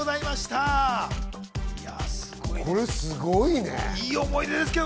これすごいね。